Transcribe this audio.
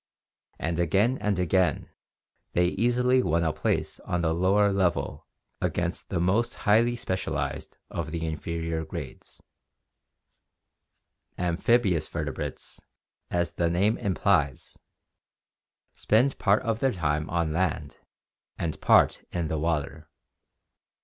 And again and again they easily won a place on the lower level against the most highly specialized of the inferior grades. Amphibious vertebrates, as the name implies (Gr. &/KJ>t, double, and fifa, life) spend part of their time on land and part in the water.